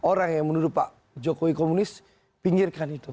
orang yang menuduh pak jokowi komunis pinggirkan itu